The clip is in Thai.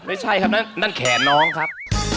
ไม่ใช่ครับนั่นแขนน้องครับ